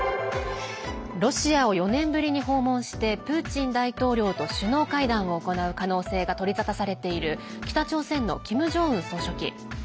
ロシアを４年ぶりに訪問してプーチン大統領と首脳会談を行う可能性が取り沙汰されている北朝鮮のキム・ジョンウン総書記。